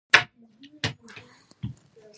قلم د سمو خبرو وسیله ده